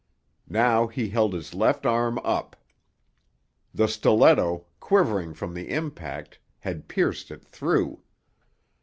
Now he held his left arm up. The stiletto, quivering from the impact, had pierced it through.